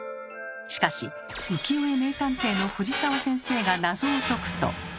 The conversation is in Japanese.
しかし浮世絵名探偵の藤澤先生が謎を解くと。